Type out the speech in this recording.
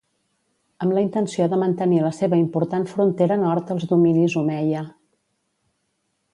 Amb la intenció de mantenir la seva important frontera nord als dominis Omeia.